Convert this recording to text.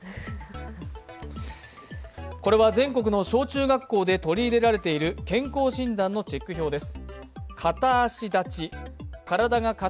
これは全国の小中学校で取り入れられている健康診断のチェック表です。